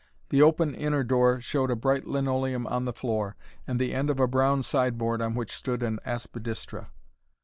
The open inner door showed a bright linoleum on the floor, and the end of a brown side board on which stood an aspidistra.